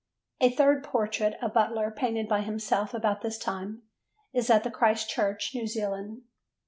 A third portrait of Butler, painted by himself about this time, is at Christchurch, New Zealand.